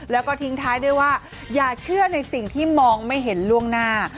แล้วก็ทิ้งท้ายด้วยว่าอย่าเชื่อในสิ่งที่มองไม่เห็นล่วงหน้า